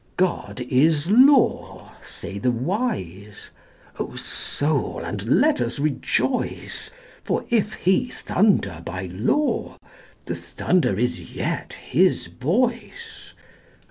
God is law, say the wise; O Soul, and let us rejoice, For if He thunder by law the thunder is yet His voice.